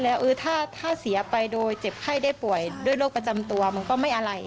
แล้วถ้าเสียไปโดยเจ็บไข้ได้ป่วยด้วยโรคประจำตัวมันก็ไม่อะไร